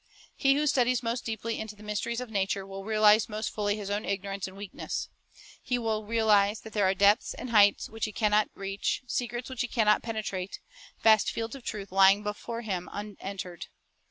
He who studies most deeply into the mysteries of nature will realize most fully his own ignorance and weakness. He will realize that there are depths and heights which he can not reach, secrets which he can not penetrate, vast fields of truth lying before him unentered.